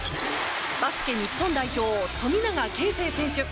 バスケ日本代表、富永啓生選手。